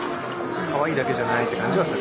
かわいいだけじゃないって感じはするよね。